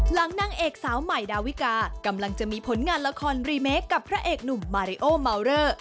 นางเอกสาวใหม่ดาวิกากำลังจะมีผลงานละครรีเมคกับพระเอกหนุ่มมาริโอเมาเลอร์